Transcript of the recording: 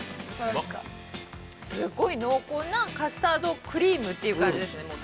◆すごい濃厚なカスタードクリームという感じですね。